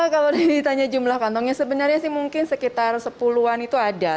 kalau ditanya jumlah kantongnya sebenarnya sih mungkin sekitar sepuluh an itu ada